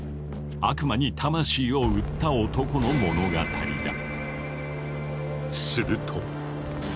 悪魔に魂を売った男の物語だ。